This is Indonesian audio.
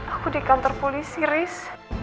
aku di kantor polisi rice